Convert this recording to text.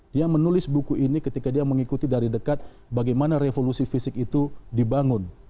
dia menulis buku ini ketika dia mengikuti dari dekat bagaimana revolusi fisik itu dibangun